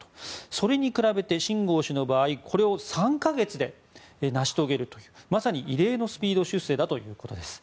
それに比べてシン・ゴウ氏の場合３か月で成し遂げるとまさに、異例のスピード出世だということです。